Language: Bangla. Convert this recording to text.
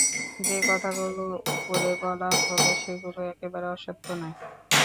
যে কথাগুলো ওপরে বলা হলো, সেগুলো একেবারে অসত্য নয়।